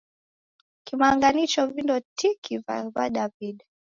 Kimanga nicho vindo tiki va Widaw'ida.